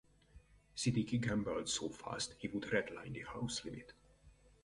Siddiqui gambled so fast he would "red line the house limit".